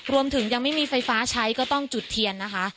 ยังไม่มีไฟฟ้าใช้ก็ต้องจุดเทียนนะคะ